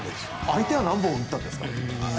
相手は何本打ったんですか？